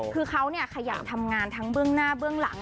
คือเขาขยันทำงานทั้งเบื้องหน้าเบื้องหลัง